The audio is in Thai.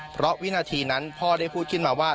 เพราะวินาทีนั้นพ่อได้พูดขึ้นมาว่า